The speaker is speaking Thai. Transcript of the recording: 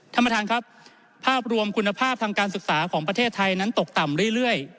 ท่านประธานครับภาพรวมคุณภาพทางการศึกษาของประเทศไทยนั้นตกต่ำเรื่อย